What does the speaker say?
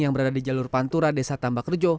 yang berada di jalur pantura desa tambak rejo